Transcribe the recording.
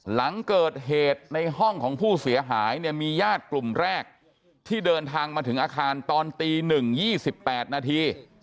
หลังเกิดเหตุในห้องของผู้เสียหายเนี่ยมีญาติกลุ่มแรกที่เดินทางมาถึงอาคารตอนตี๑๒๘นาที